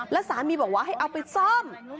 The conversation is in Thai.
แล้วสามีบอกว่าให้เอาไปซ่อม